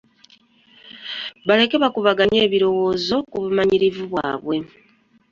Baleke bakubaganye ebirowoozo ku bumanyirivu bwabwe.